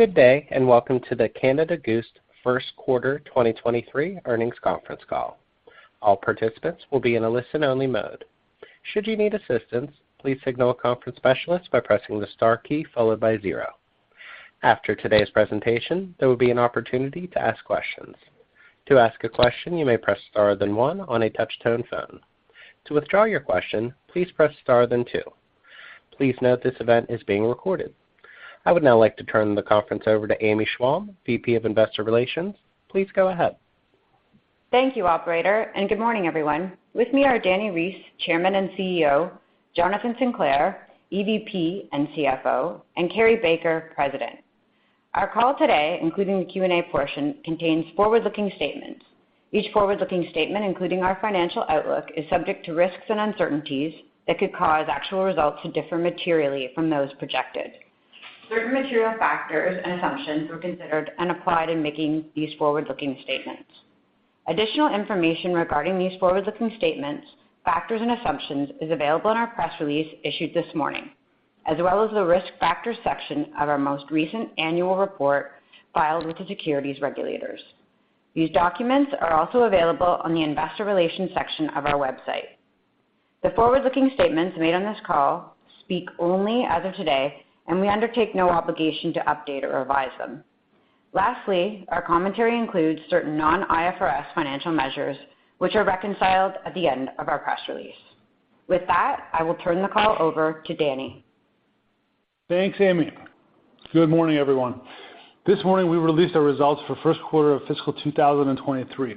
Good day, and welcome to the Canada Goose first quarter 2023 earnings conference call. All participants will be in a listen-only mode. Should you need assistance, please signal a conference specialist by pressing the star key followed by zero. After today's presentation, there will be an opportunity to ask questions. To ask a question, you may press star then one on a touch-tone phone. To withdraw your question, please press star then two. Please note this event is being recorded. I would now like to turn the conference over to Amy Schwalm, VP of Investor Relations. Please go ahead. Thank you, operator, and good morning, everyone. With me are Dani Reiss, Chairman and CEO, Jonathan Sinclair, EVP and CFO, and Carrie Baker, President. Our call today, including the Q&A portion, contains forward-looking statements. Each forward-looking statement, including our financial outlook, is subject to risks and uncertainties that could cause actual results to differ materially from those projected. Certain material factors and assumptions were considered underlying in making these forward-looking statements. Additional information regarding these forward-looking statements, factors, and assumptions is available in our press release issued this morning, as well as the risk factors section of our most recent annual report filed with the securities regulators. These documents are also available on the investor relations section of our website. The forward-looking statements made on this call speak only as of today, and we undertake no obligation to update or revise them. Lastly, our commentary includes certain non-IFRS financial measures, which are reconciled at the end of our press release. With that, I will turn the call over to Dani. Thanks, Amy. Good morning, everyone. This morning, we released our results for first quarter of fiscal 2023,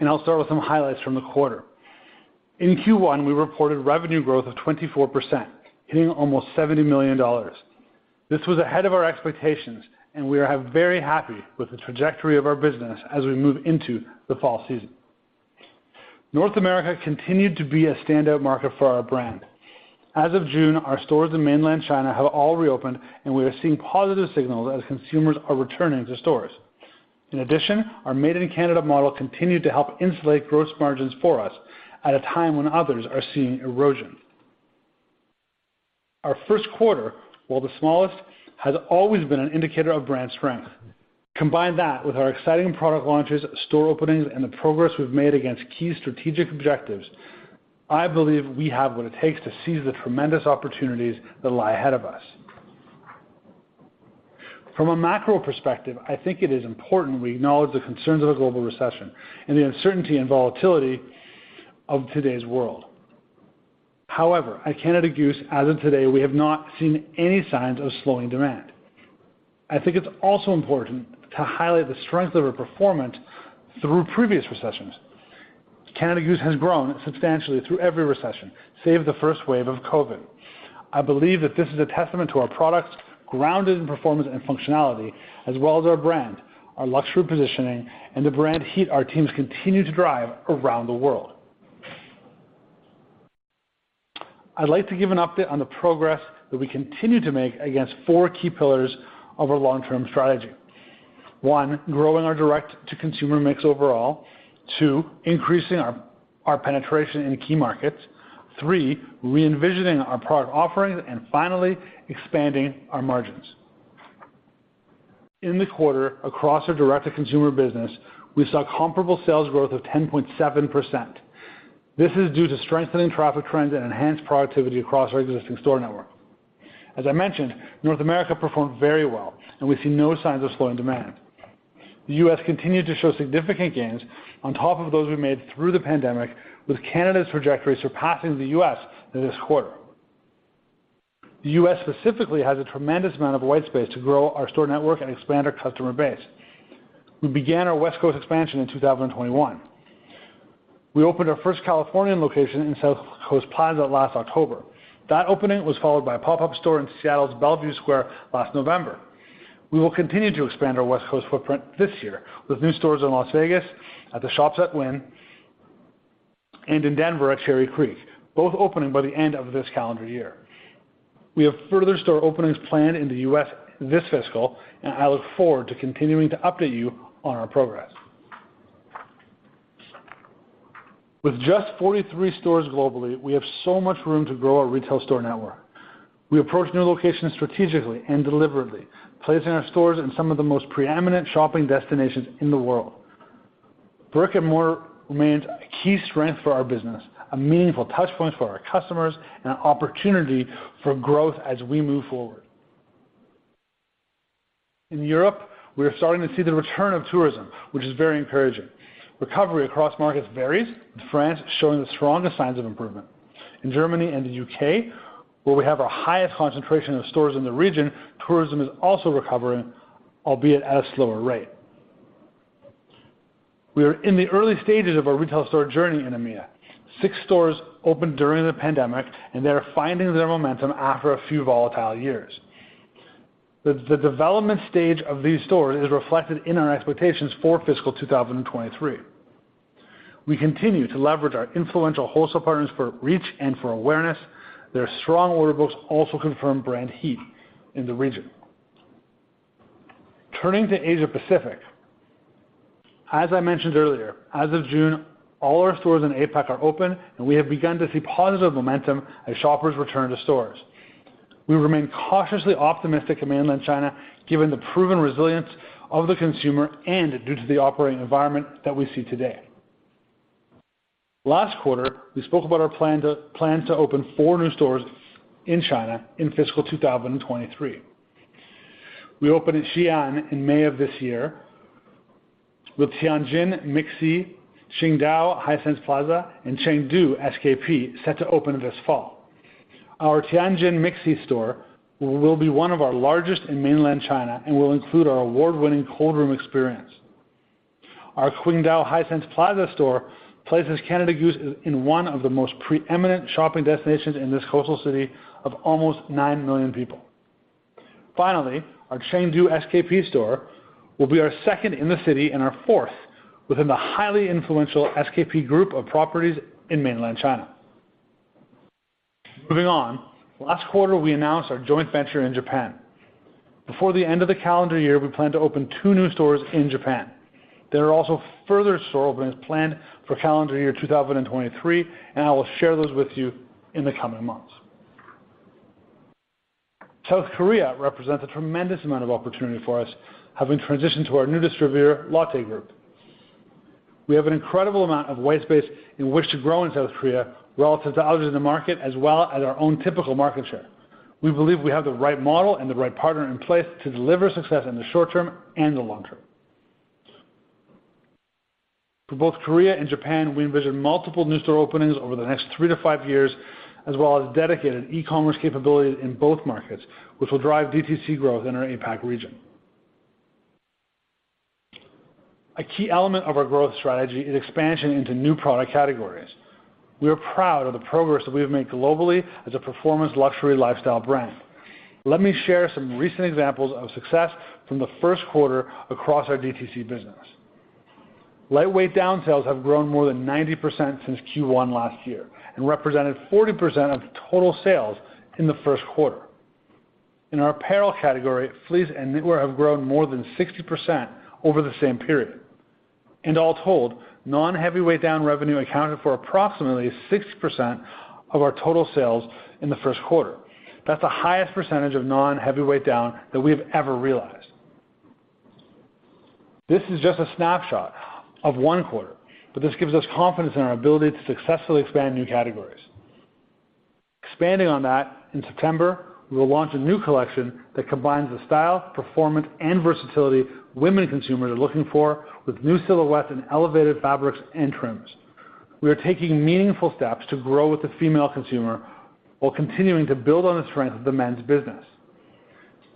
and I'll start with some highlights from the quarter. In Q1, we reported revenue growth of 24%, hitting almost 70 million dollars. This was ahead of our expectations, and we are very happy with the trajectory of our business as we move into the fall season. North America continued to be a standout market for our brand. As of June, our stores in mainland China have all reopened, and we are seeing positive signals as consumers are returning to stores. In addition, our Made in Canada model continued to help insulate gross margins for us at a time when others are seeing erosion. Our first quarter, while the smallest, has always been an indicator of brand strength. Combine that with our exciting product launches, store openings, and the progress we've made against key strategic objectives. I believe we have what it takes to seize the tremendous opportunities that lie ahead of us. From a macro perspective, I think it is important we acknowledge the concerns of a global recession and the uncertainty and volatility of today's world. However, at Canada Goose, as of today, we have not seen any signs of slowing demand. I think it's also important to highlight the strength of our performance through previous recessions. Canada Goose has grown substantially through every recession, save the first wave of COVID. I believe that this is a testament to our products grounded in performance and functionality, as well as our brand, our luxury positioning, and the brand heat our teams continue to drive around the world. I'd like to give an update on the progress that we continue to make against four key pillars of our long-term strategy. One, growing our direct-to-consumer mix overall. Two, increasing our penetration in key markets. Three, re-envisioning our product offerings. Finally, expanding our margins. In the quarter, across our direct-to-consumer business, we saw comparable sales growth of 10.7%. This is due to strengthening traffic trends and enhanced productivity across our existing store network. As I mentioned, North America performed very well, and we see no signs of slowing demand. The U.S. continued to show significant gains on top of those we made through the pandemic, with Canada's trajectory surpassing the U.S. this quarter. The U.S. specifically has a tremendous amount of white space to grow our store network and expand our customer base. We began our West Coast expansion in 2021. We opened our first Californian location in South Coast Plaza last October. That opening was followed by a pop-up store in Seattle's Bellevue Square last November. We will continue to expand our West Coast footprint this year with new stores in Las Vegas at the Shops at Wynn and in Denver at Cherry Creek, both opening by the end of this calendar year. We have further store openings planned in the U.S. this fiscal, and I look forward to continuing to update you on our progress. With just 43 stores globally, we have so much room to grow our retail store network. We approach new locations strategically and deliberately, placing our stores in some of the most preeminent shopping destinations in the world. Brick-and-mortar remains a key strength for our business, a meaningful touchpoint for our customers, and an opportunity for growth as we move forward. In Europe, we are starting to see the return of tourism, which is very encouraging. Recovery across markets varies, with France showing the strongest signs of improvement. In Germany and the U.K., where we have our highest concentration of stores in the region, tourism is also recovering, albeit at a slower rate. We are in the early stages of our retail store journey in EMEA. Six stores opened during the pandemic, and they are finding their momentum after a few volatile years. The development stage of these stores is reflected in our expectations for fiscal 2023. We continue to leverage our influential wholesale partners for reach and for awareness. Their strong order books also confirm brand heat in the region. Turning to Asia Pacific. As I mentioned earlier, as of June, all our stores in APAC are open, and we have begun to see positive momentum as shoppers return to stores. We remain cautiously optimistic in Mainland China, given the proven resilience of the consumer and due to the operating environment that we see today. Last quarter, we spoke about our plan to open four new stores in China in fiscal 2023. We opened in Xi'an in May of this year, with Tianjin MixC, Qingdao Hisense Plaza, and Chengdu SKP set to open this fall. Our Tianjin MixC store will be one of our largest in Mainland China and will include our award-winning Cold Room experience. Our Qingdao Hisense Plaza store places Canada Goose in one of the most preeminent shopping destinations in this coastal city of almost nine million people. Finally, our Chengdu SKP store will be our second in the city and our fourth within the highly influential SKP group of properties in Mainland China. Moving on. Last quarter, we announced our joint venture in Japan. Before the end of the calendar year, we plan to open two new stores in Japan. There are also further store openings planned for calendar year 2023, and I will share those with you in the coming months. South Korea represents a tremendous amount of opportunity for us, having transitioned to our new distributor, Lotte Group. We have an incredible amount of white space in which to grow in South Korea relative to others in the market as well as our own typical market share. We believe we have the right model and the right partner in place to deliver success in the short term and the long term. For both Korea and Japan, we envision multiple new store openings over the next 3-5 years, as well as dedicated e-commerce capability in both markets, which will drive DTC growth in our APAC region. A key element of our growth strategy is expansion into new product categories. We are proud of the progress that we have made globally as a performance luxury lifestyle brand. Let me share some recent examples of success from the first quarter across our DTC business. Lightweight down sales have grown more than 90% since Q1 last year and represented 40% of total sales in the first quarter. In our apparel category, fleece and knitwear have grown more than 60% over the same period. All told, non-heavyweight down revenue accounted for approximately 6% of our total sales in the first quarter. That's the highest percentage of non heavy weight down that we have ever realized. This is just a snapshot of one quarter, but this gives us confidence in our ability to successfully expand new categories. Expanding on that, in September, we will launch a new collection that combines the style, performance, and versatility women consumers are looking for with new silhouettes and elevated fabrics and trims. We are taking meaningful steps to grow with the female consumer while continuing to build on the strength of the men's business.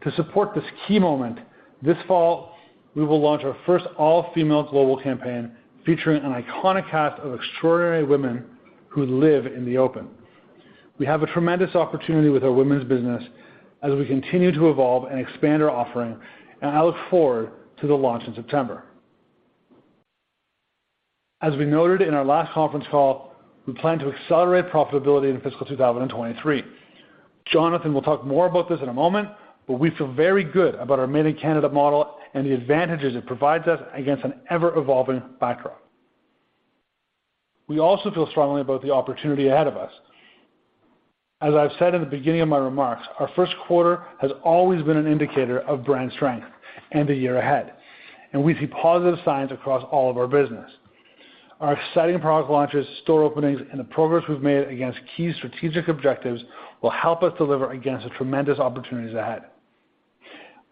To support this key moment, this fall, we will launch our first all-female global campaign featuring an iconic cast of extraordinary women who live in the open. We have a tremendous opportunity with our women's business as we continue to evolve and expand our offering, and I look forward to the launch in September. As we noted in our last conference call, we plan to accelerate profitability in fiscal 2023. Jonathan will talk more about this in a moment, but we feel very good about our Made in Canada model and the advantages it provides us against an ever-evolving backdrop. We also feel strongly about the opportunity ahead of us. As I've said in the beginning of my remarks, our first quarter has always been an indicator of brand strength and the year ahead, and we see positive signs across all of our business. Our exciting product launches, store openings, and the progress we've made against key strategic objectives will help us deliver against the tremendous opportunities ahead.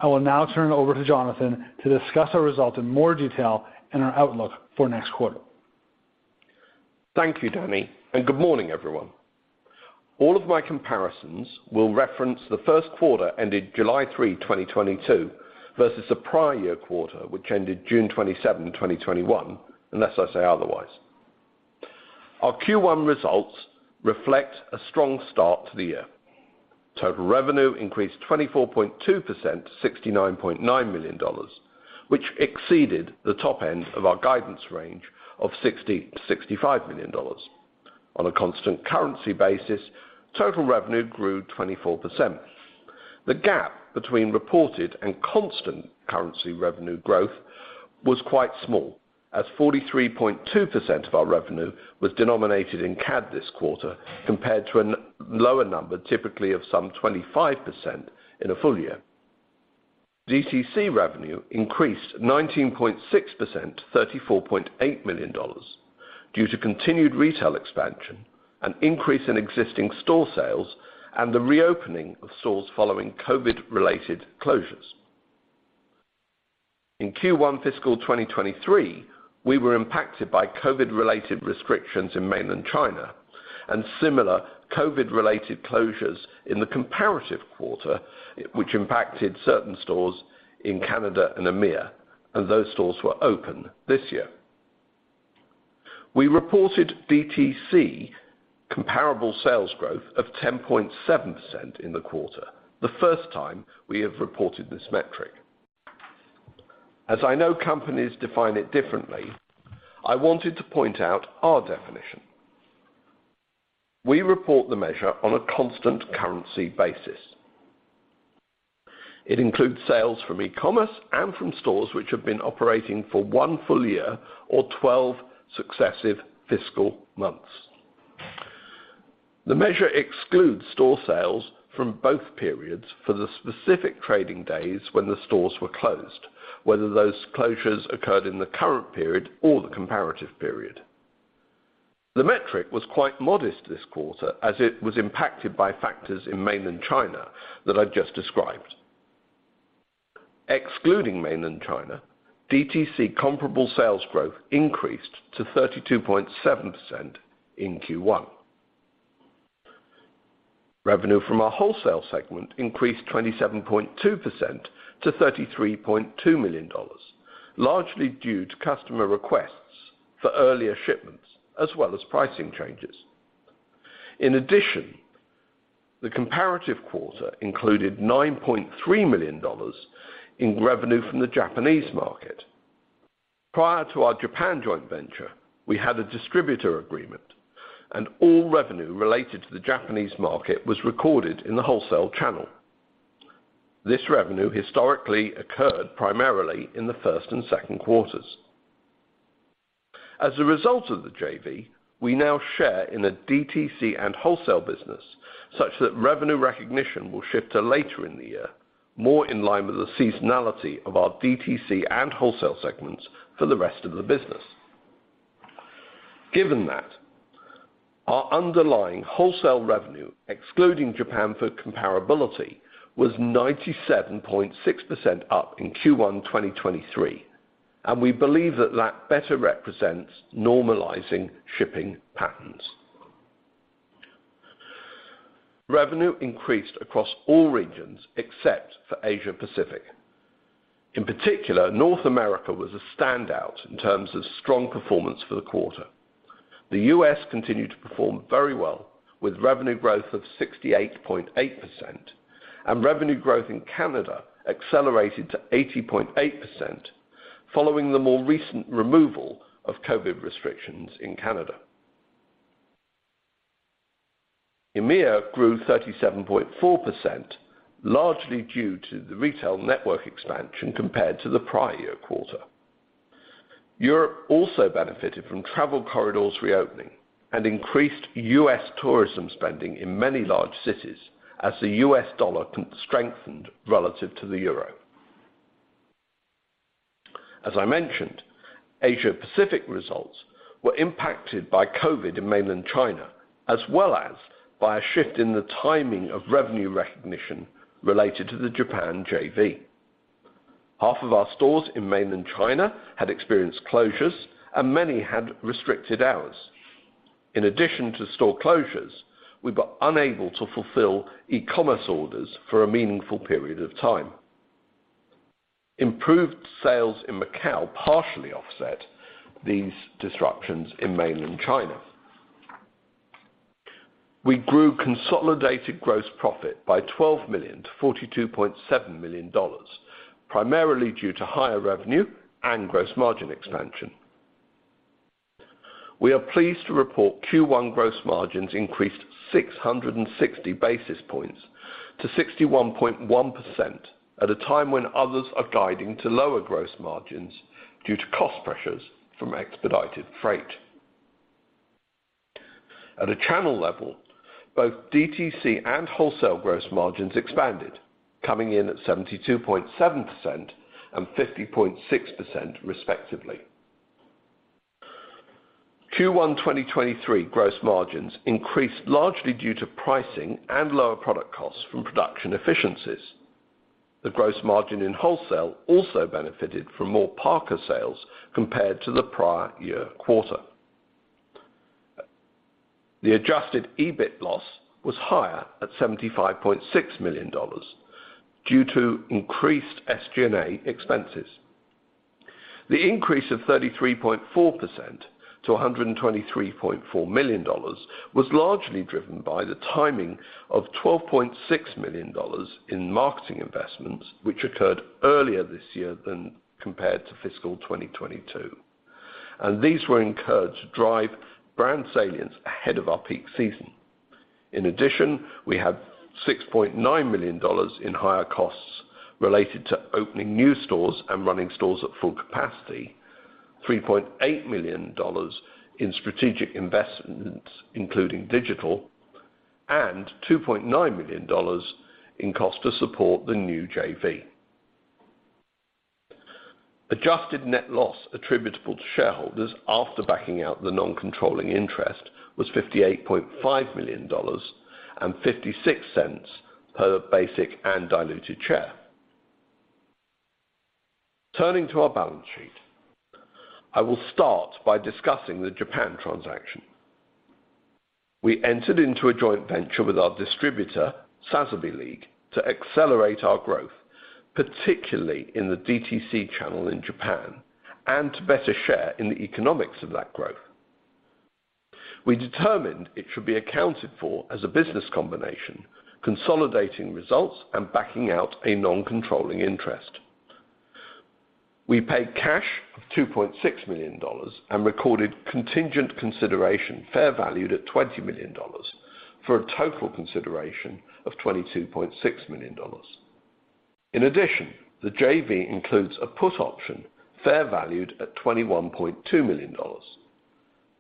I will now turn it over to Jonathan to discuss our results in more detail and our outlook for next quarter. Thank you, Dani, and good morning, everyone. All of my comparisons will reference the first quarter ended July three, 2022 versus the prior year quarter, which ended June twenty-seven, 2021, unless I say otherwise. Our Q1 results reflect a strong start to the year. Total revenue increased 24.2% to 69.9 million dollars, which exceeded the top end of our guidance range of 60 million-65 million dollars. On a constant currency basis, total revenue grew 24%. The gap between reported and constant currency revenue growth was quite small as 43.2% of our revenue was denominated in CAD this quarter, compared to a lower number, typically of some 25% in a full year. DTC revenue increased 19.6% to 34.8 million dollars due to continued retail expansion, an increase in existing store sales, and the reopening of stores following COVID-related closures. In Q1 fiscal 2023, we were impacted by COVID-related restrictions in Mainland China and similar COVID-related closures in the comparative quarter, which impacted certain stores in Canada and EMEA, and those stores were open this year. We reported DTC comparable sales growth of 10.7% in the quarter, the first time we have reported this metric. As I know companies define it differently, I wanted to point out our definition. We report the measure on a constant currency basis. It includes sales from e-commerce and from stores which have been operating for one full year or 12 successive fiscal months. The measure excludes store sales from both periods for the specific trading days when the stores were closed, whether those closures occurred in the current period or the comparative period. The metric was quite modest this quarter, as it was impacted by factors in mainland China that I just described. Excluding mainland China, DTC comparable sales growth increased to 32.7% in Q1. Revenue from our wholesale segment increased 27.2% to 33.2 million dollars, largely due to customer requests for earlier shipments, as well as pricing changes. In addition, the comparative quarter included 9.3 million dollars in revenue from the Japanese market. Prior to our Japan joint venture, we had a distributor agreement, and all revenue related to the Japanese market was recorded in the wholesale channel. This revenue historically occurred primarily in the first and second quarters. As a result of the JV, we now share in the DTC and wholesale business such that revenue recognition will shift to later in the year, more in line with the seasonality of our DTC and wholesale segments for the rest of the business. Given that, our underlying wholesale revenue, excluding Japan for comparability, was 97.6% up in Q1 2023, and we believe that that better represents normalizing shipping patterns. Revenue increased across all regions except for Asia-Pacific. In particular, North America was a standout in terms of strong performance for the quarter. The US continued to perform very well with revenue growth of 68.8%, and revenue growth in Canada accelerated to 80.8% following the more recent removal of COVID restrictions in Canada. EMEA grew 37.4%, largely due to the retail network expansion compared to the prior year quarter. Europe also benefited from travel corridors reopening and increased U.S. tourism spending in many large cities as the US dollar strengthened relative to the euro. As I mentioned, Asia-Pacific results were impacted by COVID in mainland China, as well as by a shift in the timing of revenue recognition related to the Japan JV. Half of our stores in mainland China had experienced closures, and many had restricted hours. In addition to store closures, we were unable to fulfill e-commerce orders for a meaningful period of time. Improved sales in Macao partially offset these disruptions in mainland China. We grew consolidated gross profit by 12 million to 42.7 million dollars, primarily due to higher revenue and gross margin expansion. We are pleased to report Q1 gross margins increased 660 basis points to 61.1% at a time when others are guiding to lower gross margins due to cost pressures from expedited freight. At a channel level, both DTC and wholesale gross margins expanded, coming in at 72.7% and 50.6% respectively. Q1 2023 gross margins increased largely due to pricing and lower product costs from production efficiencies. The gross margin in wholesale also benefited from more parka sales compared to the prior year quarter. The adjusted EBIT loss was higher at 75.6 million dollars due to increased SG&A expenses. The increase of 33.4% to 123.4 million dollars was largely driven by the timing of 12.6 million dollars in marketing investments, which occurred earlier this year than compared to fiscal 2022. These were incurred to drive brand salience ahead of our peak season.In addition, we have 6.9 million dollars in higher costs related to opening new stores and running stores at full capacity, 3.8 million dollars in strategic investments, including digital, and 2.9 million dollars in cost to support the new JV. Adjusted net loss attributable to shareholders after backing out the non-controlling interest was 58.5 million dollars and 0.56 per basic and diluted share. Turning to our balance sheet, I will start by discussing the Japan transaction. We entered into a joint venture with our distributor, Sazaby League, to accelerate our growth, particularly in the DTC channel in Japan, and to better share in the economics of that growth. We determined it should be accounted for as a business combination, consolidating results and backing out a non-controlling interest. We paid cash of CAD 2.6 million and recorded contingent consideration fair valued at CAD 20 million for a total consideration of CAD 22.6 million. In addition, the JV includes a put option fair valued at 21.2 million dollars.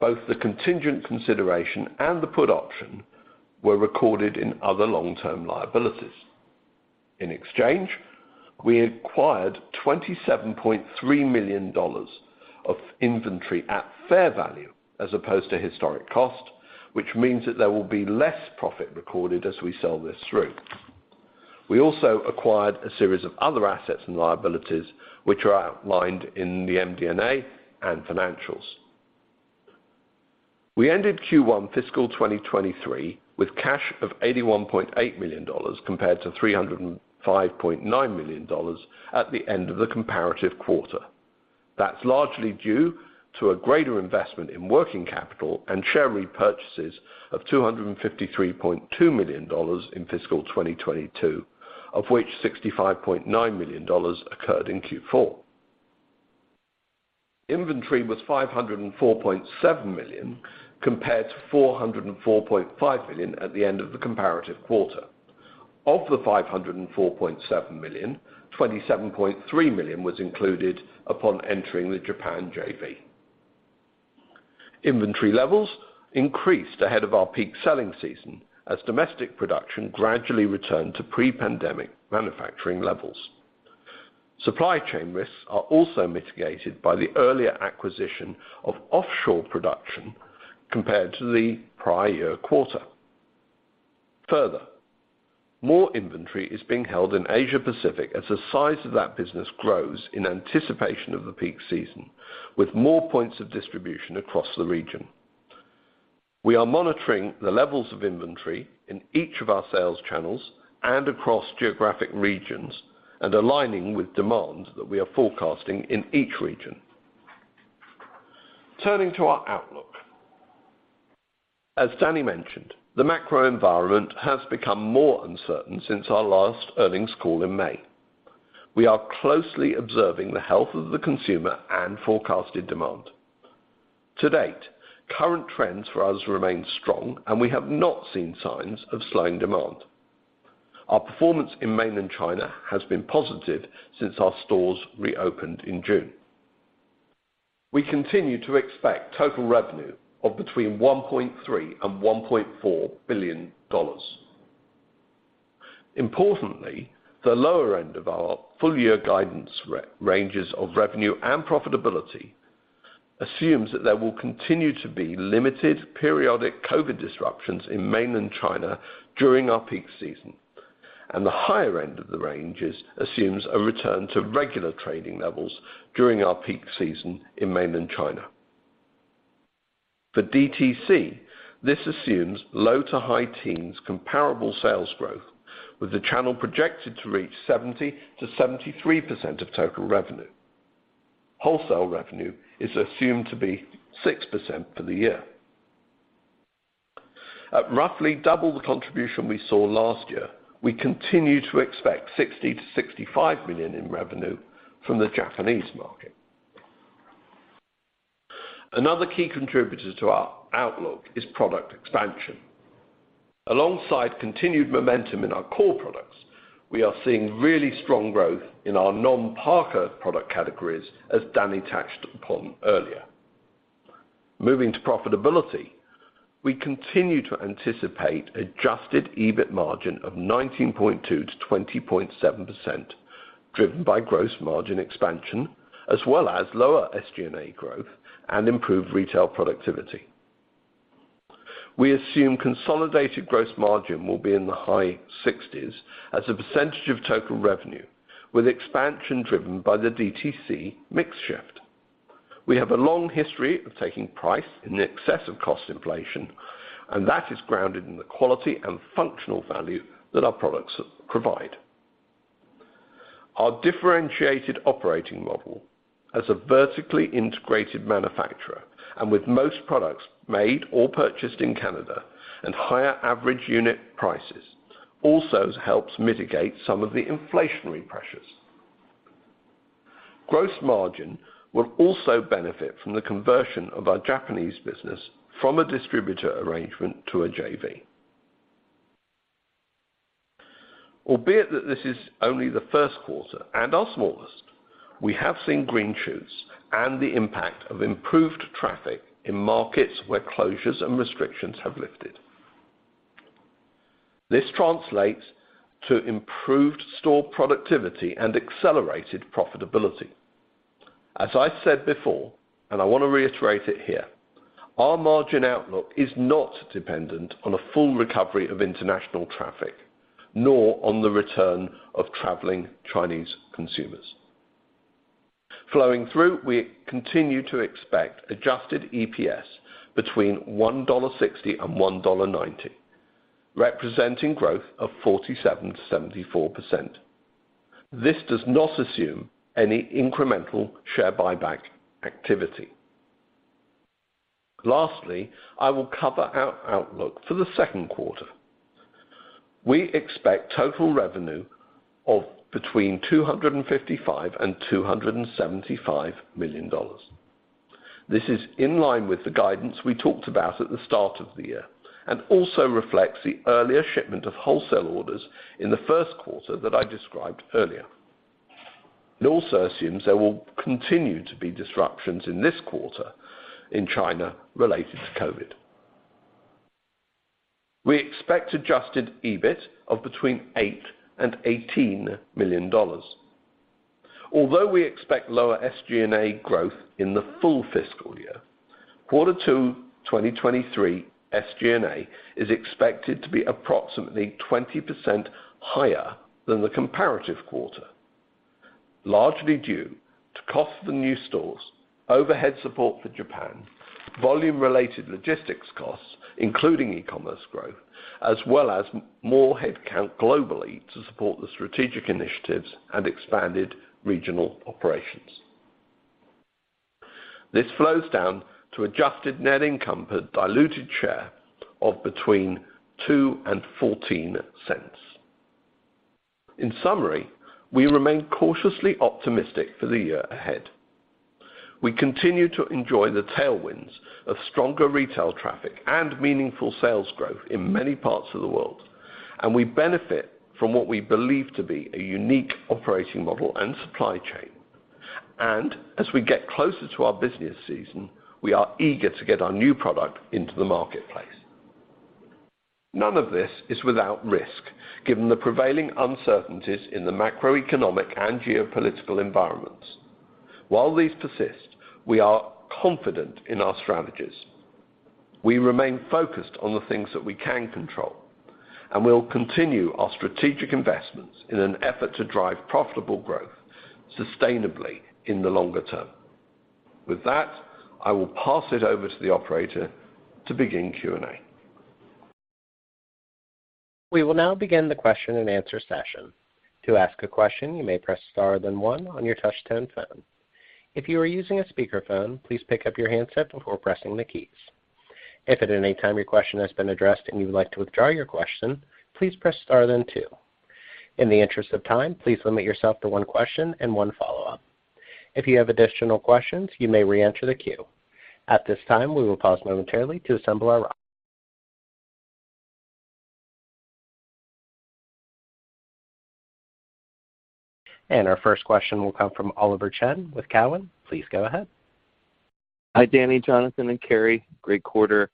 Both the contingent consideration and the put option were recorded in other long-term liabilities. In exchange, we acquired 27.3 million dollars of inventory at fair value as opposed to historic cost, which means that there will be less profit recorded as we sell this through. We also acquired a series of other assets and liabilities which are outlined in the MD&A and financials. We ended Q1 fiscal 2023 with cash of 81.8 million dollars compared to 305.9 million dollars at the end of the comparative quarter. That's largely due to a greater investment in working capital and share repurchases of 253.2 million dollars in fiscal 2022, of which 65.9 million dollars occurred in Q4. Inventory was 504.7 million compared to 404.5 million at the end of the comparative quarter. Of the 504.7 million, 27.3 million was included upon entering the Japan JV. Inventory levels increased ahead of our peak selling season as domestic production gradually returned to pre-pandemic manufacturing levels. Supply chain risks are also mitigated by the earlier acquisition of offshore production compared to the prior year quarter. Further, more inventory is being held in Asia-Pacific as the size of that business grows in anticipation of the peak season, with more points of distribution across the region. We are monitoring the levels of inventory in each of our sales channels and across geographic regions and aligning with demand that we are forecasting in each region. Turning to our outlook. As Dani mentioned, the macro environment has become more uncertain since our last earnings call in May. We are closely observing the health of the consumer and forecasted demand. To date, current trends for us remain strong, and we have not seen signs of slowing demand. Our performance in mainland China has been positive since our stores reopened in June. We continue to expect total revenue of between 1.3 billion and 1.4 billion dollars. Importantly, the lower end of our full-year guidance ranges of revenue and profitability assumes that there will continue to be limited periodic COVID disruptions in mainland China during our peak season, and the higher end of the ranges assumes a return to regular trading levels during our peak season in mainland China. For DTC, this assumes low to high teens comparable sales growth, with the channel projected to reach 70%-73% of total revenue. Wholesale revenue is assumed to be 6% for the year. At roughly double the contribution we saw last year, we continue to expect 60 million-65 million in revenue from the Japanese market. Another key contributor to our outlook is product expansion. Alongside continued momentum in our core products, we are seeing really strong growth in our non-parka product categories, as Dani touched upon earlier. Moving to profitability, we continue to anticipate adjusted EBIT margin of 19.2%-20.7%, driven by gross margin expansion as well as lower SG&A growth and improved retail productivity. We assume consolidated gross margin will be in the high sixties as a percentage of total revenue, with expansion driven by the DTC mix shift. We have a long history of taking price in excess of cost inflation, and that is grounded in the quality and functional value that our products provide. Our differentiated operating model as a vertically integrated manufacturer and with most products made or purchased in Canada and higher average unit prices also helps mitigate some of the inflationary pressures. Gross margin will also benefit from the conversion of our Japanese business from a distributor arrangement to a JV. Albeit that this is only the first quarter and our smallest, we have seen green shoots and the impact of improved traffic in markets where closures and restrictions have lifted. This translates to improved store productivity and accelerated profitability. As I said before, and I want to reiterate it here, our margin outlook is not dependent on a full recovery of international traffic, nor on the return of traveling Chinese consumers. Flowing through, we continue to expect adjusted EPS between 1.60 dollar and 1.90 dollar, representing growth of 47%-74%. This does not assume any incremental share buyback activity. Lastly, I will cover our outlook for the second quarter. We expect total revenue of between 255 million and 275 million dollars. This is in line with the guidance we talked about at the start of the year, and also reflects the earlier shipment of wholesale orders in the first quarter that I described earlier. It also assumes there will continue to be disruptions in this quarter in China related to COVID. We expect adjusted EBIT of between 8 million and 18 million dollars. Although we expect lower SG&A growth in the full fiscal year, quarter two, 2023 SG&A is expected to be approximately 20% higher than the comparative quarter, largely due to cost of the new stores, overhead support for Japan, volume related logistics costs, including e-commerce growth, as well as more headcount globally to support the strategic initiatives and expanded regional operations. This flows down to adjusted net income per diluted share of between 0.02 and 0.14. In summary, we remain cautiously optimistic for the year ahead. We continue to enjoy the tailwinds of stronger retail traffic and meaningful sales growth in many parts of the world, and we benefit from what we believe to be a unique operating model and supply chain. As we get closer to our business season, we are eager to get our new product into the marketplace. None of this is without risk, given the prevailing uncertainties in the macroeconomic and geopolitical environments. While these persist, we are confident in our strategies. We remain focused on the things that we can control, and we'll continue our strategic investments in an effort to drive profitable growth sustainably in the longer term. With that, I will pass it over to the operator to begin Q&A. We will now begin the question and answer session. To ask a question, you may press star then one on your touch tone phone. If you are using a speakerphone, please pick up your handset before pressing the keys. If at any time your question has been addressed and you would like to withdraw your question, please press star then two. In the interest of time, please limit yourself to one question and one follow-up. If you have additional questions, you may reenter the queue. At this time, we will pause momentarily. Our first question will come from Oliver Chen with Cowen. Please go ahead. Hi, Dani, Jonathan, and Carrie. Great quarter.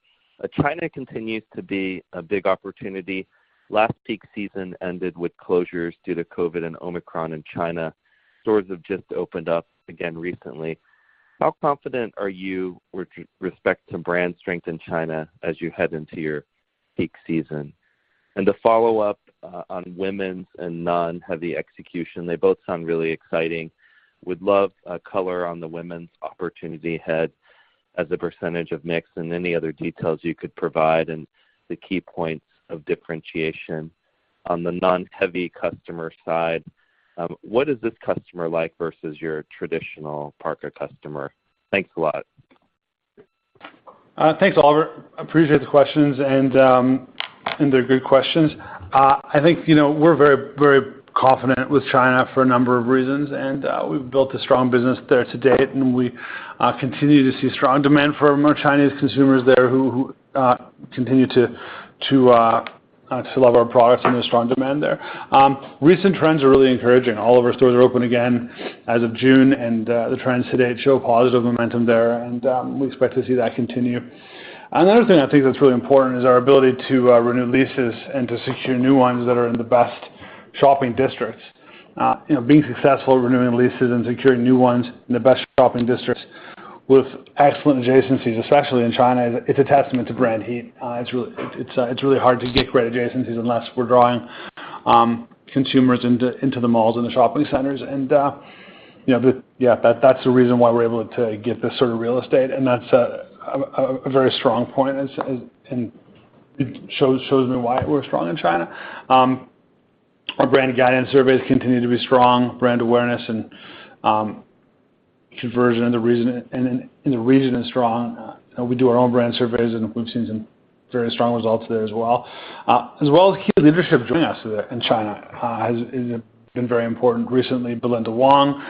China continues to be a big opportunity. Last peak season ended with closures due to COVID and Omicron in China. Stores have just opened up again recently. How confident are you with respect to brand strength in China as you head into your peak season? To follow up, on women's and non-heavy execution, they both sound really exciting. Would love a color on the women's opportunity ahead as a percentage of mix and any other details you could provide and the key points of differentiation. On the non-heavy customer side, what is this customer like versus your traditional parka customer? Thanks a lot. Thanks, Oliver. Appreciate the questions and they're good questions. I think, you know, we're very, very confident with China for a number of reasons, and we've built a strong business there to date, and we continue to see strong demand from our Chinese consumers there who continue to love our products and the strong demand there. Recent trends are really encouraging. All of our stores are open again as of June, and the trends to date show positive momentum there and we expect to see that continue. Another thing I think that's really important is our ability to renew leases and to secure new ones that are in the best shopping districts. You know, being successful renewing leases and securing new ones in the best shopping districts with excellent adjacencies, especially in China, it's a testament to brand heat. It's really hard to get great adjacencies unless we're drawing consumers into the malls and the shopping centers. That's the reason why we're able to get this sort of real estate, and that's a very strong point as and it shows me why we're strong in China. Our brand guidance surveys continue to be strong. Brand awareness and conversion in the region is strong. We do our own brand surveys, and we've seen some very strong results there as well. As well as key leadership joining us there in China, has been very important recently. Belinda Wong,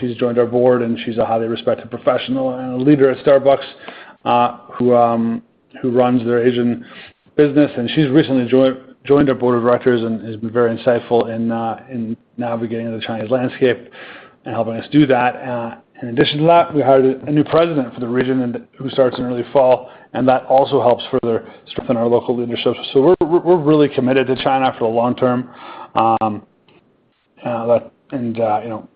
she's joined our board, and she's a highly respected professional and a leader at Starbucks, who runs their Asian business, and she's recently joined our board of directors and has been very insightful in navigating the Chinese landscape and helping us do that. In addition to that, we hired a new president for the region who starts in early fall, and that also helps further strengthen our local leadership. We're really committed to China for the long term. You know,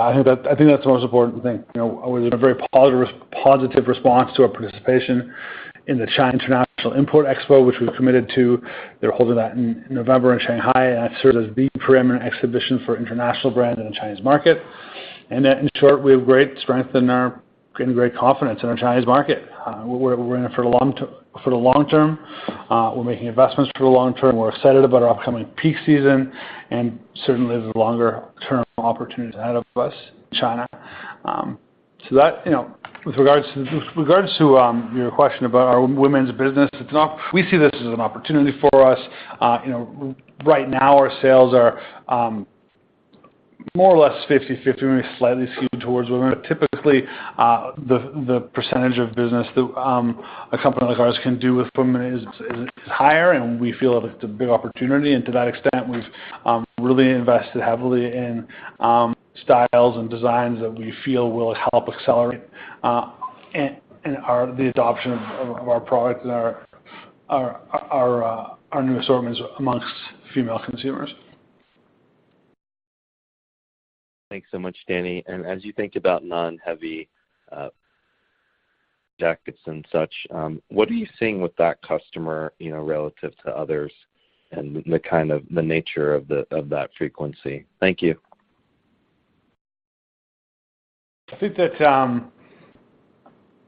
I think that's the most important thing. You know, a very positive response to our participation in the China International Import Expo, which we've committed to. They're holding that in November in Shanghai, and that serves as the premier exhibition for international brands in the Chinese market. In short, we have great strength in our brand and great confidence in our Chinese market. We're in it for the long term. We're making investments for the long term. We're excited about our upcoming peak season and certainly the longer-term opportunities ahead of us in China. That, you know, with regards to your question about our women's business, we see this as an opportunity for us. Right now, our sales are more or less 50-50, maybe slightly skewed towards women. But typically, the percentage of business that a company like ours can do with women is higher, and we feel that it's a big opportunity. To that extent, we've really invested heavily in styles and designs that we feel will help accelerate the adoption of our product and our new assortments amongst female consumers. Thanks so much, Dani. As you think about non-heavy jackets and such, what are you seeing with that customer, you know, relative to others and the kind of nature of that frequency? Thank you. I think that,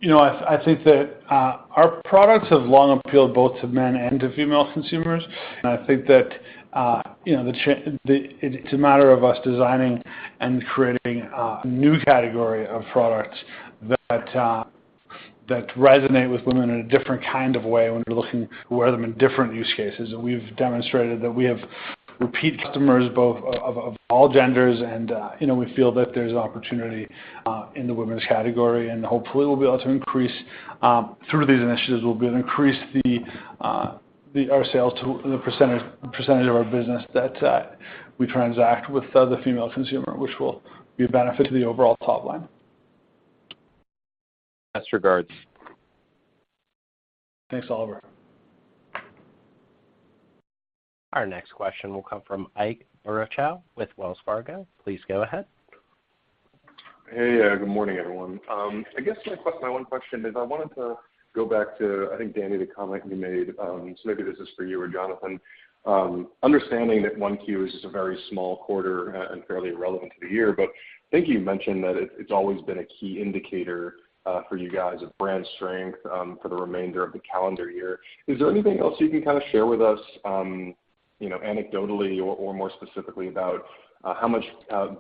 you know, I think that our products have long appealed both to men and to female consumers. I think that, you know, it's a matter of us designing and creating a new category of products that resonate with women in a different kind of way when we're looking to wear them in different use cases. We've demonstrated that we have repeat customers of all genders and, you know, we feel that there's an opportunity in the women's category. Hopefully, through these initiatives, we'll be able to increase our sales to the percentage of our business that we transact with the female consumer, which will be a benefit to the overall top line. Best regards. Thanks, Oliver. Our next question will come from Ike Boruchow with Wells Fargo. Please go ahead. Hey. Good morning, everyone. I guess my one question is I wanted to go back to, I think, Dani, the comment you made, so maybe this is for you or Jonathan. Understanding that 1Q is just a very small quarter, and fairly irrelevant to the year, but I think you mentioned that it's always been a key indicator, for you guys of brand strength, for the remainder of the calendar year. Is there anything else you can kinda share with us, you know, anecdotally or more specifically about how much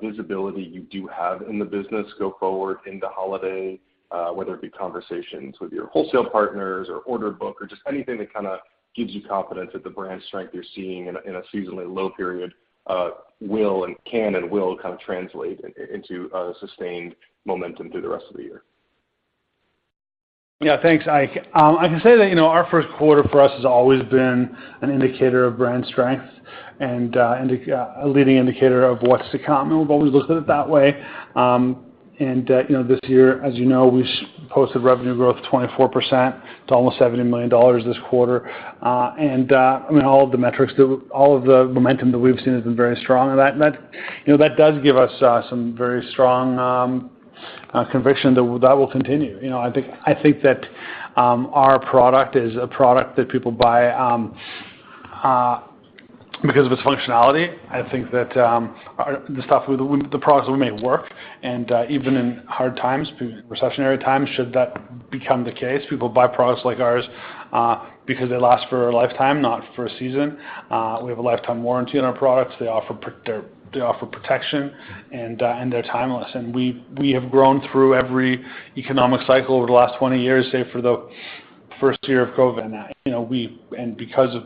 visibility you do have in the business go forward into holiday, whether it be conversations with your wholesale partners or order book or just anything that kinda gives you confidence that the brand strength you're seeing in a seasonally low period, will and can kind of translate into sustained momentum through the rest of the year? Yeah. Thanks, Ike. I can say that, you know, our first quarter for us has always been an indicator of brand strength and a leading indicator of what's to come. We've always looked at it that way. This year, as you know, we posted revenue growth 24% to almost 70 million dollars this quarter. All of the momentum that we've seen has been very strong. That does give us some very strong conviction that that will continue. You know, I think that our product is a product that people buy because of its functionality. I think that the stuff we The products we make work, and even in hard times, recessionary times, should that become the case, people buy products like ours, because they last for a lifetime, not for a season. We have a lifetime warranty on our products. They offer protection and they're timeless. We have grown through every economic cycle over the last 20 years, say for the first year of COVID now. You know, because of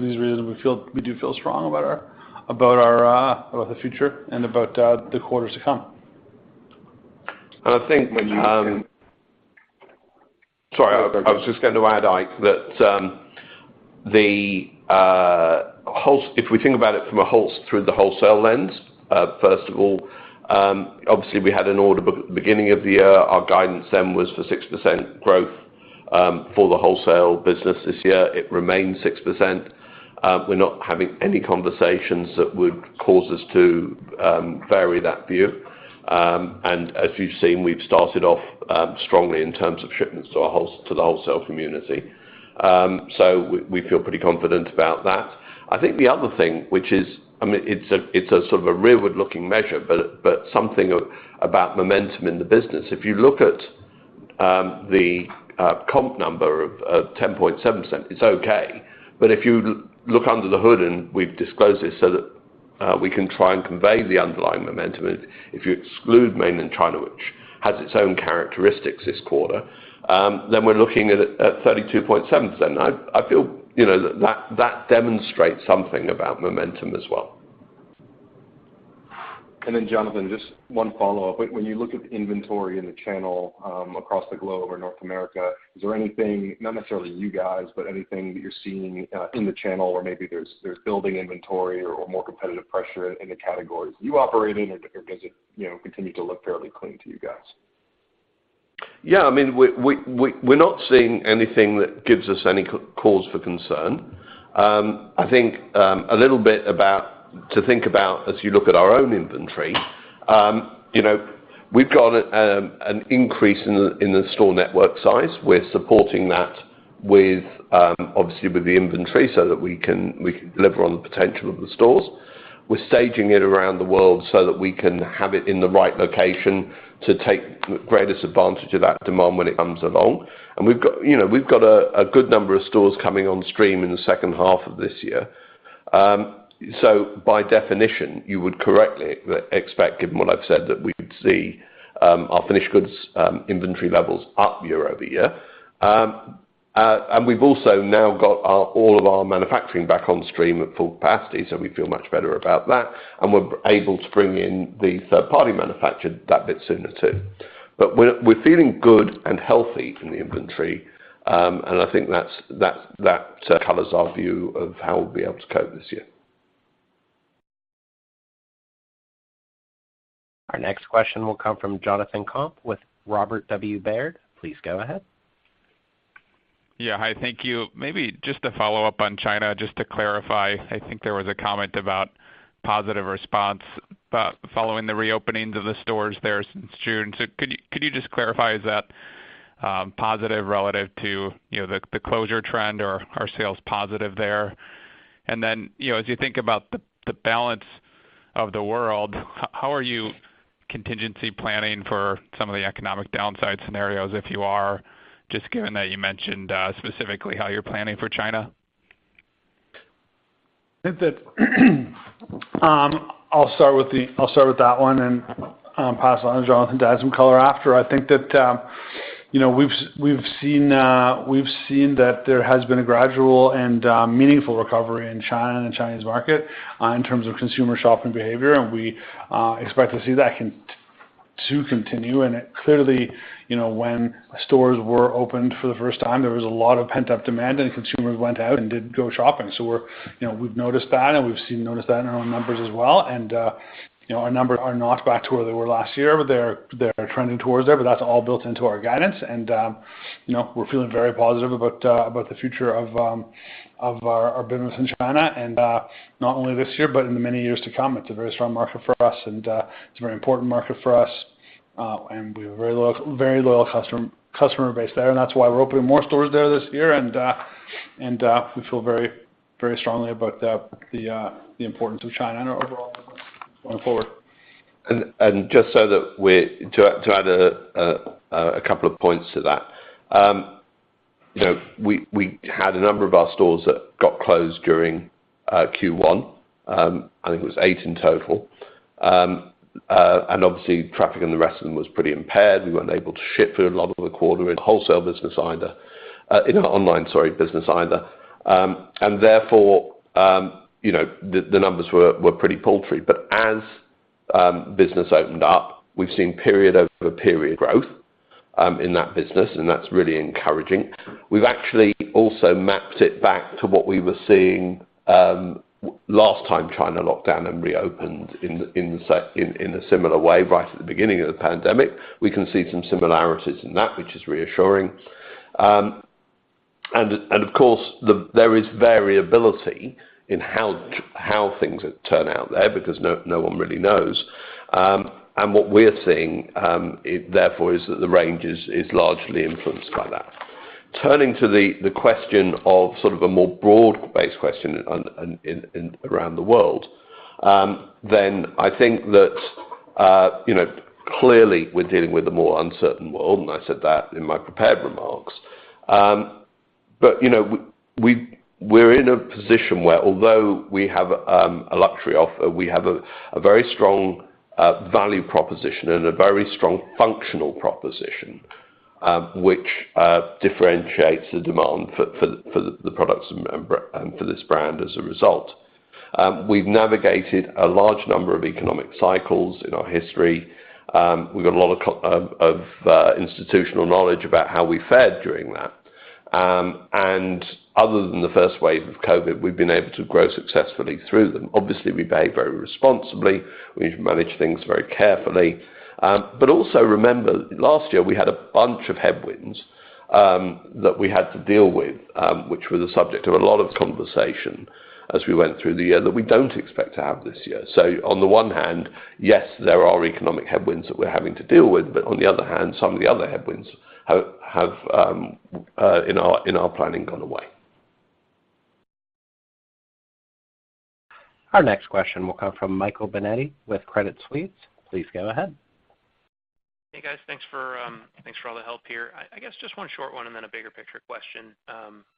these reasons, we do feel strong about our future and about the quarters to come. I think. When you- Sorry. I was just going to add, Ike, that if we think about it from a wholesale lens, first of all, obviously we had an order book at the beginning of the year. Our guidance then was for 6% growth for the wholesale business this year. It remains 6%. We're not having any conversations that would cause us to vary that view. As you've seen, we've started off strongly in terms of shipments to our wholesale community. We feel pretty confident about that. I think the other thing which is, I mean, it's a sort of a rearward-looking measure, but something about momentum in the business. If you look at the comp number of 10.7%, it's okay. If you look under the hood, and we've disclosed this so that we can try and convey the underlying momentum. If you exclude Mainland China, which has its own characteristics this quarter, then we're looking at 32.7%. I feel, you know, that demonstrates something about momentum as well. Jonathan, just one follow-up. When you look at inventory in the channel across the globe or North America, is there anything, not necessarily you guys, but anything that you're seeing in the channel or maybe there's building inventory or more competitive pressure in the categories you operate in or does it, you know, continue to look fairly clean to you guys? Yeah. I mean, we're not seeing anything that gives us any cause for concern. I think a little bit to think about as you look at our own inventory. You know, we've got an increase in the store network size. We're supporting that with obviously with the inventory so that we can deliver on the potential of the stores. We're staging it around the world so that we can have it in the right location to take greatest advantage of that demand when it comes along. You know, we've got a good number of stores coming on stream in the second half of this year. So by definition, you would correctly expect, given what I've said, that we would see our finished goods inventory levels up year-over-year. We've also now got all of our manufacturing back on stream at full capacity, so we feel much better about that, and we're able to bring in the third-party manufacturer a bit sooner too. We're feeling good and healthy in the inventory, and I think that colors our view of how we'll be able to cope this year. Our next question will come from Jonathan Komp with Robert W. Baird. Please go ahead. Yeah. Hi, thank you. Maybe just to follow up on China, just to clarify, I think there was a comment about positive response, but following the reopenings of the stores there since June. Could you just clarify, is that positive relative to, you know, the closure trend or are sales positive there? Then, you know, as you think about the balance of the world, how are you contingency planning for some of the economic downside scenarios, if you are, just given that you mentioned specifically how you're planning for China? I think that I'll start with that one, and pass on to Jonathan to add some color after. I think that you know, we've seen that there has been a gradual and meaningful recovery in China and the Chinese market in terms of consumer shopping behavior. We expect to see that continue, and it clearly you know, when stores were opened for the first time, there was a lot of pent-up demand and consumers went out and did go shopping. We are, you know, we've noticed that in our own numbers as well. You know, our numbers are not back to where they were last year, but they're trending towards there, but that's all built into our guidance. You know, we're feeling very positive about the future of our business in China, not only this year, but in the many years to come. It's a very strong market for us and it's a very important market for us, and we have a very loyal customer base there, and that's why we're opening more stores there this year. We feel very strongly about the importance of China in our overall business going forward. To add a couple of points to that. You know, we had a number of our stores that got closed during Q1. I think it was eight in total. Obviously traffic in the rest of them was pretty impaired. We weren't able to ship for a lot of the quarter in wholesale business either, in our online business either. Therefore, you know, the numbers were pretty paltry. As business opened up, we've seen period-over-period growth in that business, and that's really encouraging. We've actually also mapped it back to what we were seeing last time China locked down and reopened in a similar way right at the beginning of the pandemic. We can see some similarities in that, which is reassuring. Of course, there is variability in how things turn out there because no one really knows. What we're seeing, it therefore is that the range is largely influenced by that. Turning to the question of sort of a more broad-based question in and around the world, then I think that you know, clearly we're dealing with a more uncertain world, and I said that in my prepared remarks. You know, we're in a position where although we have a luxury offer, we have a very strong value proposition and a very strong functional proposition, which differentiates the demand for the products and for this brand as a result. We've navigated a large number of economic cycles in our history. We've got a lot of institutional knowledge about how we fared during that. Other than the first wave of COVID, we've been able to grow successfully through them. Obviously, we behave very responsibly. We manage things very carefully. Also remember, last year we had a bunch of headwinds that we had to deal with, which were the subject of a lot of conversation as we went through the year, that we don't expect to have this year. On the one hand, yes, there are economic headwinds that we're having to deal with, but on the other hand, some of the other headwinds have in our planning gone away. Our next question will come from Michael Binetti with Credit Suisse. Please go ahead. Hey, guys. Thanks for all the help here. I guess just one short one and then a bigger picture question.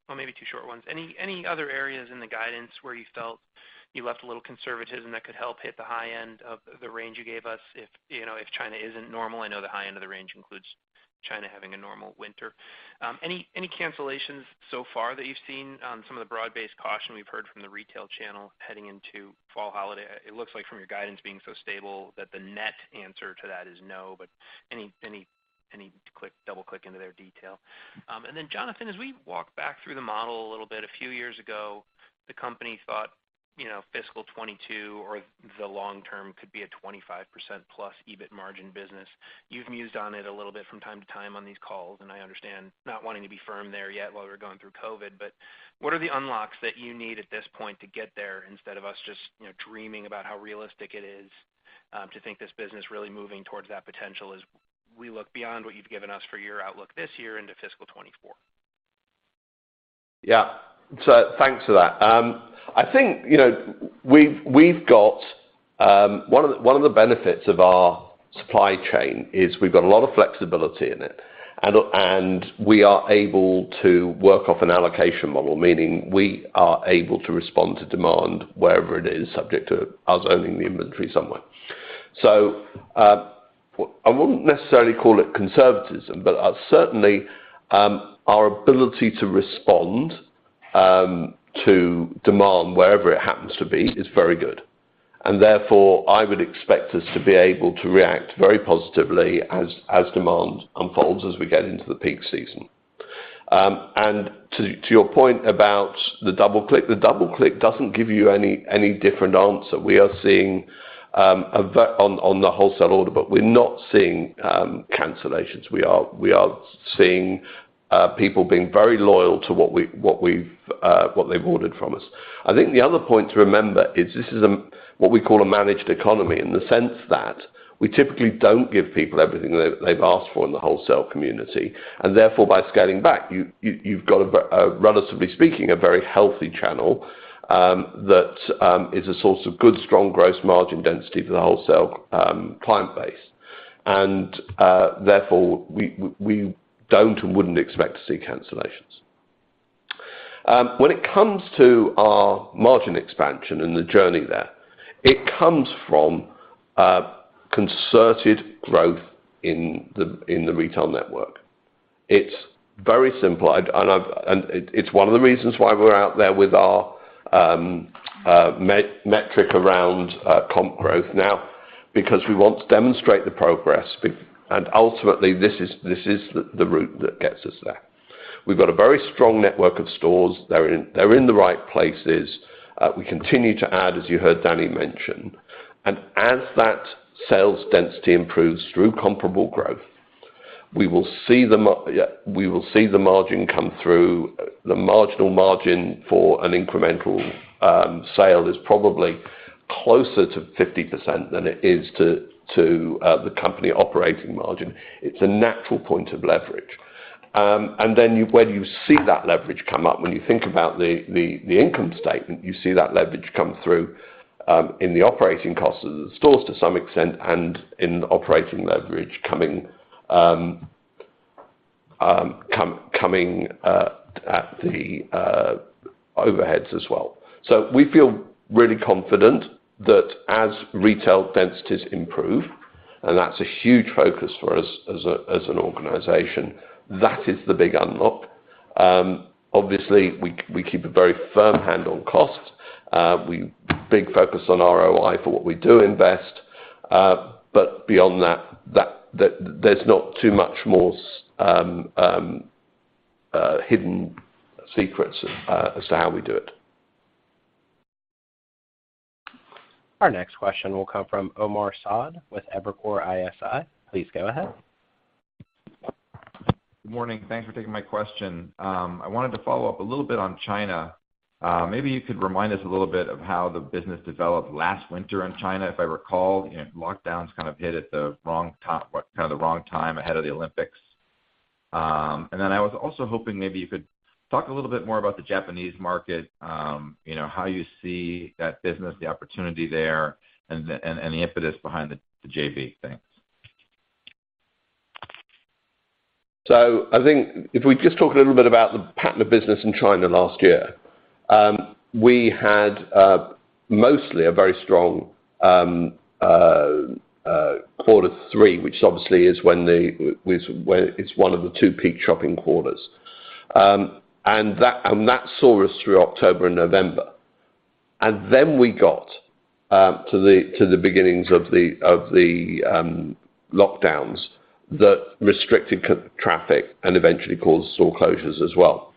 Or maybe two short ones. Any other areas in the guidance where you felt you left a little conservatism that could help hit the high end of the range you gave us if you know if China isn't normal? I know the high end of the range includes China having a normal winter. Any cancellations so far that you've seen on some of the broad-based caution we've heard from the retail channel heading into fall holiday? It looks like from your guidance being so stable that the net answer to that is no, but any click, double-click into their detail? Jonathan, as we walk back through the model a little bit, a few years ago, the company thought, you know, fiscal 2022 or the long term could be a 25%+ EBIT margin business. You've mused on it a little bit from time to time on these calls, and I understand not wanting to be firm there yet while we're going through COVID, but what are the unlocks that you need at this point to get there instead of us just, you know, dreaming about how realistic it is to think this business really moving towards that potential as we look beyond what you've given us for your outlook this year into fiscal 2024? Yeah. Thanks for that. I think, you know, we've got one of the benefits of our supply chain is we've got a lot of flexibility in it. We are able to work off an allocation model, meaning we are able to respond to demand wherever it is subject to us owning the inventory somewhere. I wouldn't necessarily call it conservatism, but certainly, our ability to respond to demand wherever it happens to be is very good. Therefore, I would expect us to be able to react very positively as demand unfolds as we get into the peak season. To your point about the double click, the double click doesn't give you any different answer. We are seeing a view on the wholesale order, but we're not seeing cancellations. We are seeing people being very loyal to what they've ordered from us. I think the other point to remember is this is what we call a managed economy in the sense that we typically don't give people everything they've asked for in the wholesale community. Therefore, by scaling back, you've got a relatively speaking, a very healthy channel that is a source of good, strong gross margin density for the wholesale client base. Therefore, we don't and wouldn't expect to see cancellations. When it comes to our margin expansion and the journey there, it comes from a concerted growth in the retail network. It's very simple. It's one of the reasons why we're out there with our metric around comp growth now because we want to demonstrate the progress and ultimately, this is the route that gets us there. We've got a very strong network of stores. They're in the right places. We continue to add, as you heard Dani mention. As that sales density improves through comparable growth, we will see the margin come through. The marginal margin for an incremental sale is probably closer to 50% than it is to the company operating margin. It's a natural point of leverage. When you see that leverage come up, when you think about the income statement, you see that leverage come through in the operating costs of the stores to some extent and in operating leverage coming at the overheads as well. We feel really confident that as retail densities improve, and that's a huge focus for us as an organization, that is the big unlock. Obviously, we keep a very firm hand on costs. We have a big focus on ROI for what we do invest. But beyond that, there's not too much more hidden secrets as to how we do it. Our next question will come from Omar Saad with Evercore ISI. Please go ahead. Good morning. Thanks for taking my question. I wanted to follow up a little bit on China. Maybe you could remind us a little bit of how the business developed last winter in China. If I recall, you know, lockdowns kind of hit at the wrong time ahead of the Olympics. I was also hoping maybe you could talk a little bit more about the Japanese market, you know, how you see that business, the opportunity there, and the impetus behind the JV. Thanks. I think if we just talk a little bit about the pattern of business in China last year, we had mostly a very strong quarter three, which obviously is where it's one of the two peak shopping quarters. That saw us through October and November. Then we got to the beginnings of the lockdowns that restricted traffic and eventually caused store closures as well.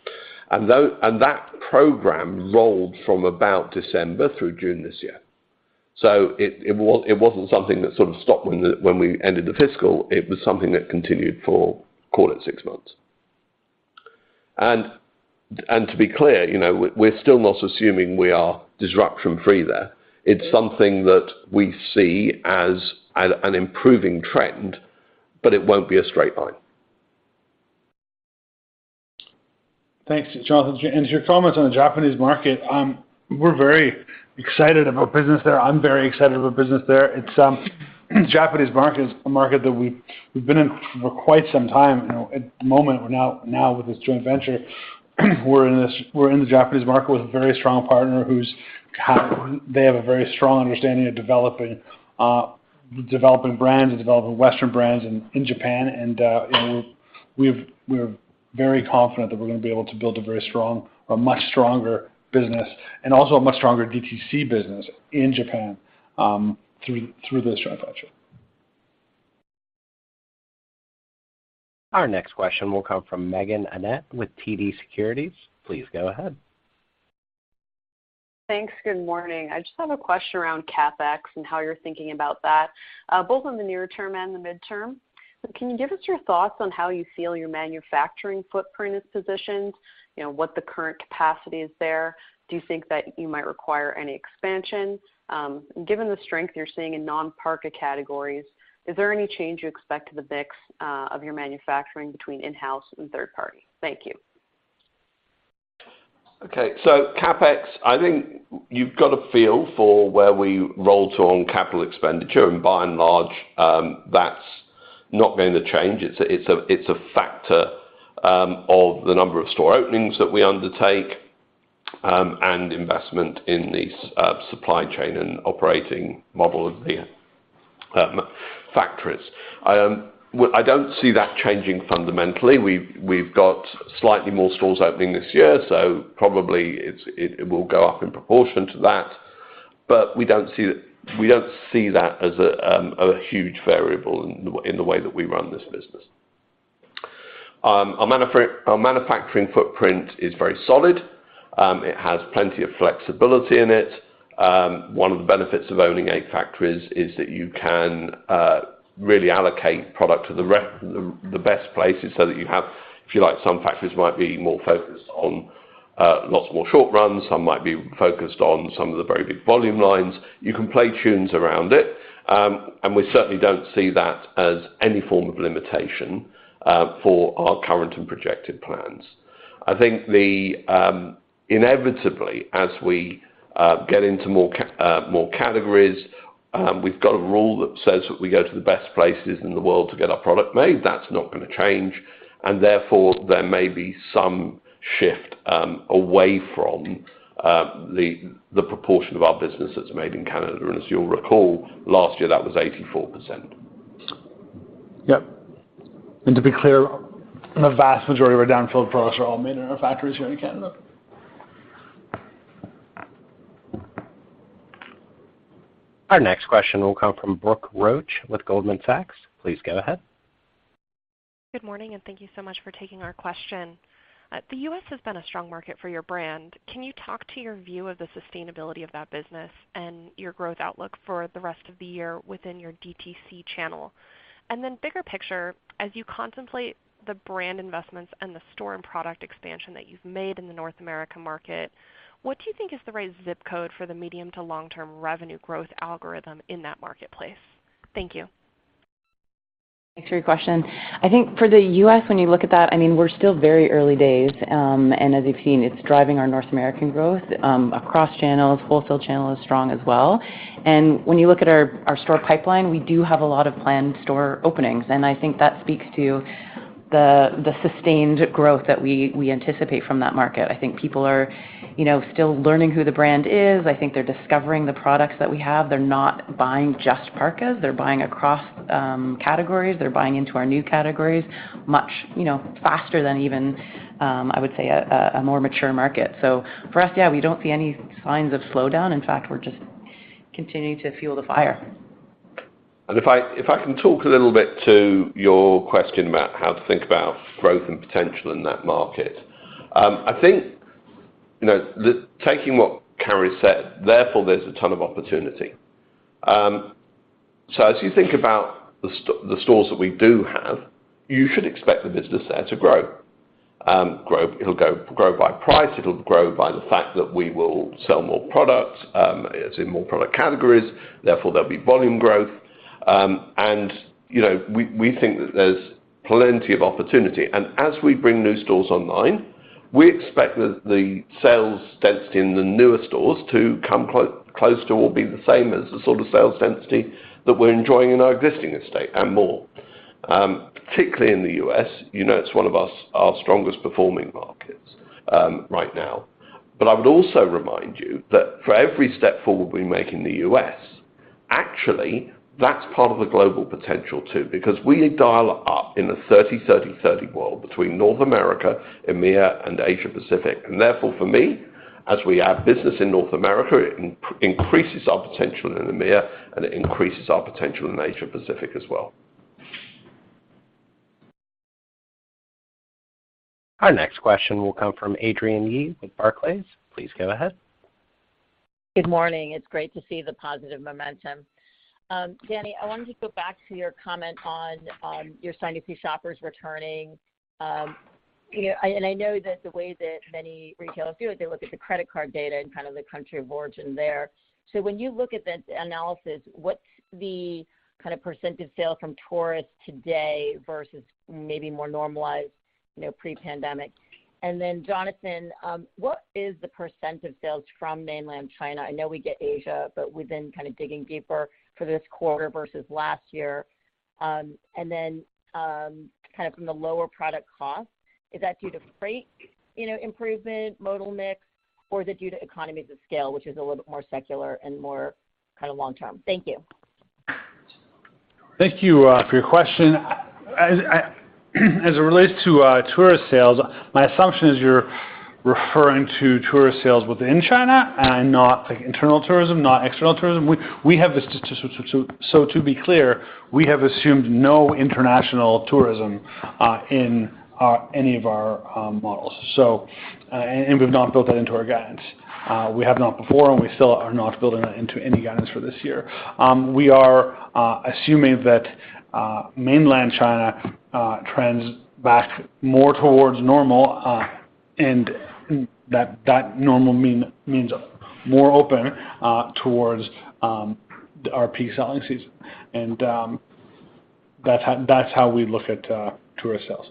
That program rolled from about December through June this year. It wasn't something that sort of stopped when we ended the fiscal. It was something that continued for call it six months. To be clear, you know, we're still not assuming we are disruption free there. It's something that we see as an improving trend, but it won't be a straight line. Thanks, Jonathan. To your comments on the Japanese market, we're very excited about business there. I'm very excited about business there. The Japanese market is a market that we've been in for quite some time. You know, at the moment, now with this joint venture, we're in the Japanese market with a very strong partner. They have a very strong understanding of developing brands and developing Western brands in Japan. You know, we're very confident that we're gonna be able to build a very strong or much stronger business and also a much stronger DTC business in Japan through this joint venture. Our next question will come from Meaghen Annett with TD Securities. Please go ahead. Thanks. Good morning. I just have a question around CapEx and how you're thinking about that, both in the near term and the midterm. Can you give us your thoughts on how you feel your manufacturing footprint is positioned? You know, what the current capacity is there. Do you think that you might require any expansion? Given the strength you're seeing in non-parka categories, is there any change you expect to the mix of your manufacturing between in-house and third party? Thank you. Okay. CapEx, I think you've got a feel for where we roll to on capital expenditure, and by and large, that's not going to change. It's a factor of the number of store openings that we undertake, and investment in these supply chain and operating model of the factories. I don't see that changing fundamentally. We've got slightly more stores opening this year, so probably it will go up in proportion to that. But we don't see that as a huge variable in the way that we run this business. Our manufacturing footprint is very solid. It has plenty of flexibility in it. One of the benefits of owning eight factories is that you can really allocate product to the best places so that you have, if you like, some factories might be more focused on lots more short runs, some might be focused on some of the very big volume lines. You can play tunes around it. We certainly don't see that as any form of limitation for our current and projected plans. I think inevitably, as we get into more categories, we've got a rule that says that we go to the best places in the world to get our product made. That's not gonna change, and therefore, there may be some shift away from the proportion of our business that's made in Canada. As you'll recall, last year that was 84%. Yep. To be clear, the vast majority of our down-filled products are all made in our factories here in Canada. Our next question will come from Brooke Roach with Goldman Sachs. Please go ahead. Good morning, and thank you so much for taking our question. The U.S. has been a strong market for your brand. Can you talk to your view of the sustainability of that business and your growth outlook for the rest of the year within your DTC channel? And then bigger picture, as you contemplate the brand investments and the store and product expansion that you've made in the North America market, what do you think is the right zip code for the medium to long-term revenue growth algorithm in that marketplace? Thank you. Thanks for your question. I think for the US, when you look at that, I mean, we're still very early days. As you've seen, it's driving our North American growth across channels. Wholesale channel is strong as well. When you look at our store pipeline, we do have a lot of planned store openings, and I think that speaks to the sustained growth that we anticipate from that market. I think people are, you know, still learning who the brand is. I think they're discovering the products that we have. They're not buying just parkas. They're buying across categories. They're buying into our new categories much, you know, faster than even I would say a more mature market. For us, yeah, we don't see any signs of slowdown. In fact, we're just continuing to fuel the fire. If I can talk a little bit to your question about how to think about growth and potential in that market. I think, you know, taking what Carrie said, therefore, there's a ton of opportunity. So as you think about the stores that we do have, you should expect the business there to grow. It'll grow by price. It'll grow by the fact that we will sell more products, as in more product categories, therefore there'll be volume growth. And, you know, we think that there's plenty of opportunity. As we bring new stores online, we expect the sales density in the newer stores to come close to or be the same as the sort of sales density that we're enjoying in our existing estate and more. Particularly in the U.S., you know, it's one of our strongest performing markets right now. I would also remind you that for every step forward we make in the U.S., actually, that's part of the global potential too, because we dial up in the 30-30-30 world between North America, EMEA, and Asia Pacific. Therefore, for me, as we add business in North America, it increases our potential in EMEA, and it increases our potential in Asia Pacific as well. Our next question will come from Adrienne Yih with Barclays. Please go ahead. Good morning. It's great to see the positive momentum. Danny, I wanted to go back to your comment on your starting to see shoppers returning. You know, and I know that the way that many retailers do it, they look at the credit card data and kind of the country of origin there. When you look at the analysis, what's the kind of percentage of sales from tourists today versus maybe more normalized, you know, pre-pandemic? Then Jonathan, what is the percent of sales from Mainland China? I know we get Asia, but we've been kind of digging deeper for this quarter versus last year. Kind of from the lower product cost, is that due to freight, you know, improvement, modal mix, or is it due to economies of scale, which is a little bit more secular and more kinda long term? Thank you. Thank you for your question. As it relates to tourist sales, my assumption is you're referring to tourist sales within China and not like internal tourism, not external tourism. To be clear, we have assumed no international tourism in any of our models. We've not built that into our guidance. We have not before, and we still are not building that into any guidance for this year. We are assuming that Mainland China trends back more towards normal, and that normal means more open towards our peak selling season. That's how we look at tourist sales.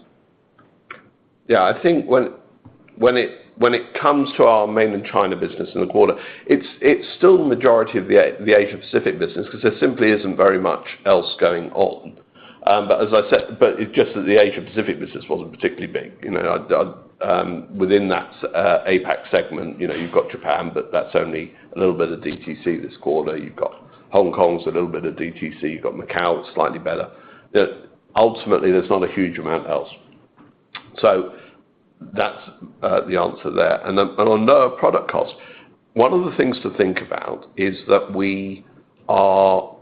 Yeah. I think when it comes to our Mainland China business in the quarter, it's still the majority of the Asia-Pacific business because there simply isn't very much else going on. But it's just that the Asia-Pacific business wasn't particularly big. You know, within that, APAC segment, you know, you've got Japan, but that's only a little bit of DTC this quarter. You've got Hong Kong, a little bit of DTC. You've got Macao, slightly better. Ultimately, there's not a huge amount else. That's the answer there. On lower product costs, one of the things to think about is that we are,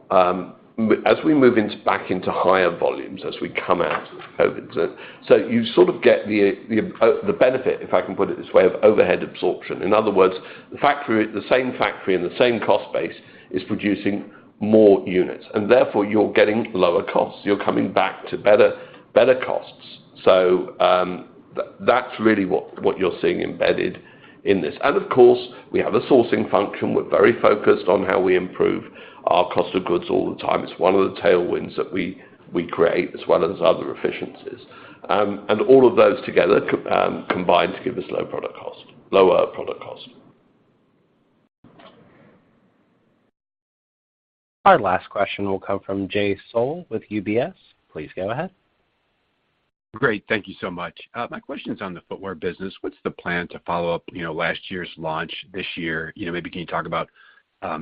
as we move back into higher volumes, as we come out of COVID. You sort of get the benefit, if I can put it this way, of overhead absorption. In other words, the same factory and the same cost base is producing more units, and therefore, you're getting lower costs. You're coming back to better costs. That's really what you're seeing embedded in this. Of course, we have a sourcing function. We're very focused on how we improve our cost of goods all the time. It's one of the tailwinds that we create, as well as other efficiencies. All of those together combine to give us low product cost, lower product cost. Our last question will come from Jay Sole with UBS. Please go ahead. Great. Thank you so much. My question is on the footwear business. What's the plan to follow up, you know, last year's launch this year? You know, maybe can you talk about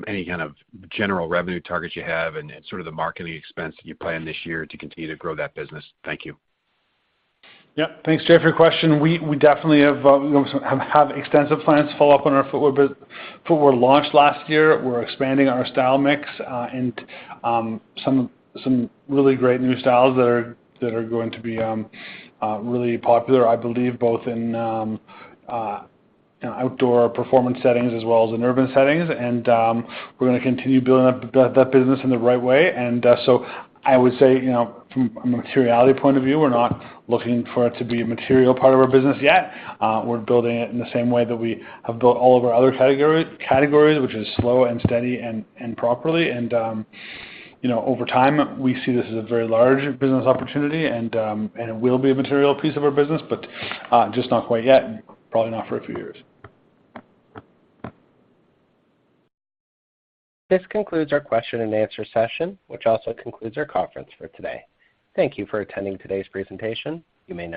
any kind of general revenue targets you have and then sort of the marketing expense you plan this year to continue to grow that business? Thank you. Yeah. Thanks, Jay, for your question. We definitely have extensive plans to follow up on our footwear launch last year. We're expanding our style mix, and some really great new styles that are going to be really popular, I believe, both in outdoor performance settings as well as in urban settings. We're gonna continue building up that business in the right way. I would say, you know, from a materiality point of view, we're not looking for it to be a material part of our business yet. We're building it in the same way that we have built all of our other categories, which is slow and steady and properly. You know, over time, we see this as a very large business opportunity, and it will be a material piece of our business, but just not quite yet, and probably not for a few years. This concludes our question and answer session, which also concludes our conference for today. Thank you for attending today's presentation. You may now disconnect.